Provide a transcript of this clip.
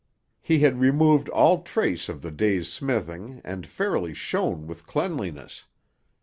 He had removed all trace of the day's smithing and fairly shone with cleanliness.